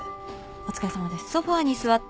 お疲れさまです。